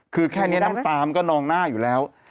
คือแค่นี้น้ำตามันก็นองหน้าอยู่แล้ว